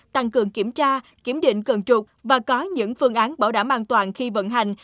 tăng cường kiểm tra kiểm định cân trục và có những phương án bảo đảm an toàn khi vận hành